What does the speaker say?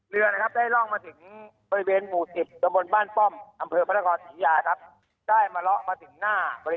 เรือนะครับได้ล่องมาถึงบริเวณหมู่สิบจนบนบ้านป้อมอำ